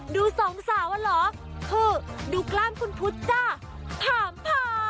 ดูสองสาวอะเหรอคือดูกล้ามคุณพุทธจ้ะถามพา